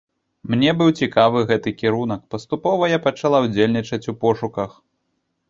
Мне быў цікавы гэты кірунак, паступова я пачала ўдзельнічаць у пошуках.